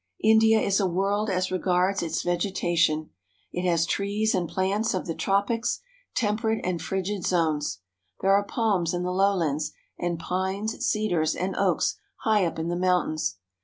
India is a world as regards its vegetation. It has trees and plants of the tropics, temperate and frigid zones. There are palms in the lowlands ; and pines, cedars, and oaks high up in the mountains.